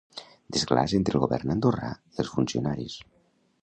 Desglaç entre el govern andorrà i els funcionaris.